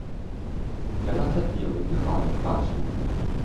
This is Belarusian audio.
Яна сапе, уздыхае, кашляе.